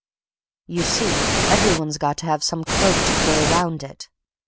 "You see every one's got to have some cloak to throw around it.